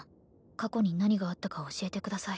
過去に何があったか教えてください